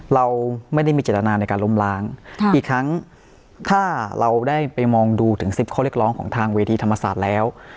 เราไม่ได้มีเจตนาในการล้มล้างอีกครั้งถ้าเราได้ไปมองดูถึง๑๐ข้อเรียกร้องของทางเวทีธรรมศาสตร์แล้ว